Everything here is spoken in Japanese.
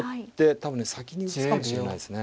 多分ね先に打つかもしれないですね。